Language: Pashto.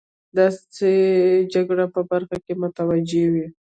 د داسې جګړو په برخه کې متوجه وي.